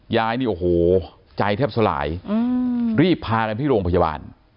ยายนี่โอ้โหใจแทบสลายรีบพากันที่โรงพยาบาล